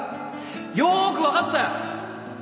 よく分かったよ